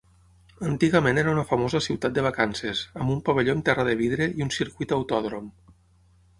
Antigament era un famosa ciutat de vacances, amb un pavelló amb terra de vidre i un circuit autòdrom.